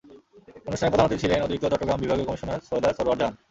অনুষ্ঠানে প্রধান অতিথি ছিলেন অতিরিক্ত চট্টগ্রাম বিভাগীয় কমিশনার সৈয়দা সরোয়ার জাহান।